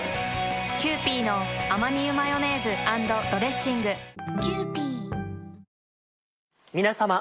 キユーピーのアマニ油マヨネーズ＆ドレッシング皆さま。